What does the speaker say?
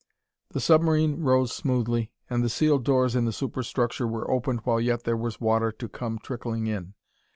The submarine rose smoothly, and the sealed doors in the superstructure were opened while yet there was water to come trickling in.